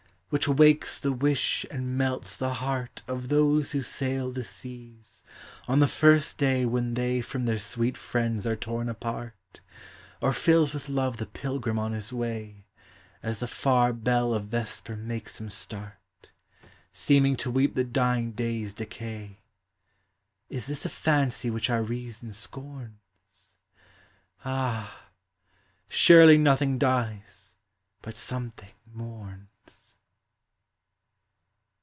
which wakes the wish and melts the heart Of those who sail the seas, on the first day When they from their sweet friends are torn apart; LIGHT: DAY: NIGHT. 59 Or fills with love the pilgrim on his way, As the far bell of vesper makes him start, Seeming to weep the dying day's decay : Is this a fancy which our reason scorns? Ah! surely nothing dies but something mourns.